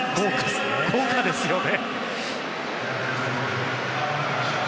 豪華ですよね。